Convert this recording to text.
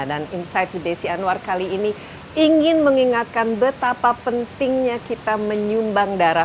dan insight di desi anwar kali ini ingin mengingatkan betapa pentingnya kita menyumbang darah